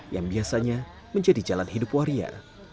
yang biasanya menjadi jalan hidup waria